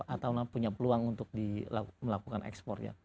atau punya peluang untuk melakukan ekspor ya